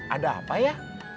ada apa ya